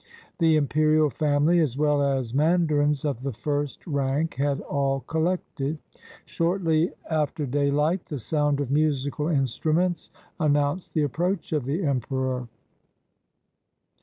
The imperial family, as well as mandarins of the first rank, had all collected. Shortly after daylight the sound of musical instruments announced the approach of the emperor.